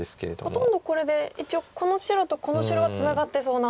ほとんどこれで一応この白とこの白はツナがってそうな。